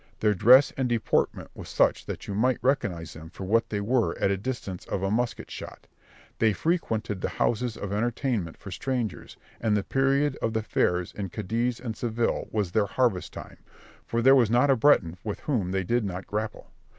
Their dress and deportment was such that you might recognise them for what they were at the distance of a musket shot; they frequented the houses of entertainment for strangers, and the period of the fairs in Cadiz and Seville was their harvest time, for there was not a Breton with whom they did not grapple.